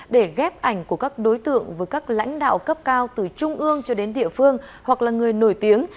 để ghép ảnh của các đối tượng với các lãnh đạo cấp cao từ trung ương cho đến địa phương hoặc là người nổi tiếng